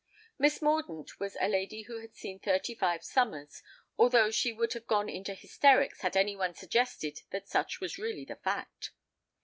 Miss Mordaunt was a lady who had seen thirty five summers, although she would have gone into hysterics had any one suggested that such was really the fact.